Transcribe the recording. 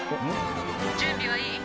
「準備はいい？」